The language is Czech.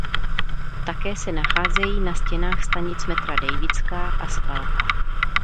Také se nacházejí na stěnách stanic metra Dejvická a Skalka.